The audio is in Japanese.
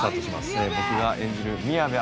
僕が演じる宮部